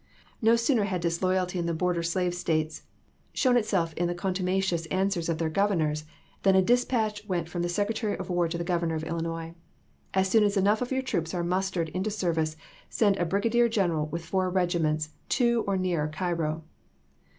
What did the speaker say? No sooner had disloyalty in the border slave States shown itself in the contumacious answers of their Governors than a dispatch went from the toyS, Secretary of War to the Grovern or of Illinois : "As ^Reporrof' soou as euough of your troops are mustered into tanwin' scrvicc, seud a brigadier general with four regi Illinois, ments to or near Cairo."